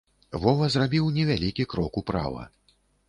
Вова зрабіў невялікі крок управа.